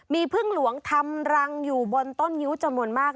มีพึ่งหลวงทำรังอยู่บนต้นงิ้วจำนวนมาก